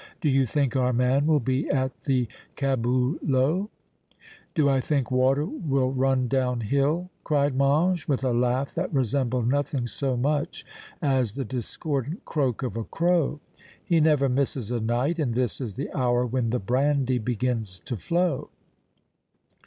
Do you think our man will be at the caboulot?" "Do I think water will run down hill!" cried Mange, with a laugh that resembled nothing so much as the discordant croak of a crow. "He never misses a night, and this is the hour when the brandy begins to flow!"